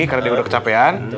karena dia udah kecapean